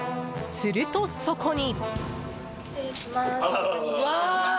すると、そこに。